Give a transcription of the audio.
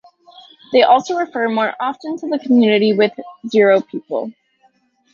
They also refer more often to the community with O people!